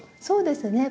そうですね。